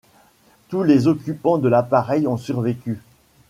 Tous les occupants de l'appareil ont survécu.